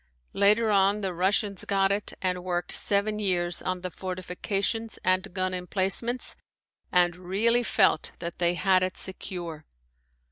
Later on the Russians got it and worked seven years on the fortifications and gun emplacements and really felt that they had it secure.